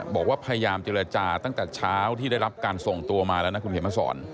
บอกว่าพยายามเจรจาตั้งแต่เช้าที่ได้รับการส่งตัวมาแล้วนะคุณเขียนมาสอน